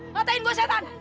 katain gua setan